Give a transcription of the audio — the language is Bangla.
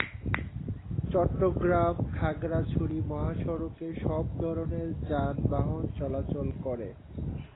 চট্টগ্রাম-খাগড়াছড়ি মহাসড়কে সব ধরনের যানবাহন চলাচল করে।